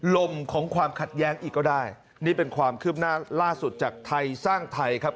ลมของความขัดแย้งอีกก็ได้นี่เป็นความคืบหน้าล่าสุดจากไทยสร้างไทยครับ